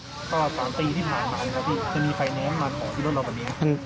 ตลอด๓ปีที่ผ่านมาจะมีไฟแนนซ์มาของรถเราแบบนี้ครับ